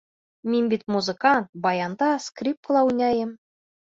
Мин бит музыкант, баянда, скрипкала уйнайым.